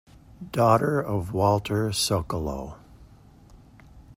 Daughter of Walter Sokolow.